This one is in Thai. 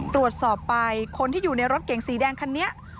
ตรวจสอบไปคนที่อยู่ในรถเก่งสีแดงคันนี้